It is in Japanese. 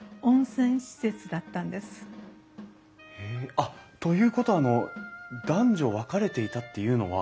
あっということはあの男女分かれていたっていうのは。